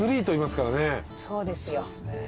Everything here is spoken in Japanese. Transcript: そうですよ。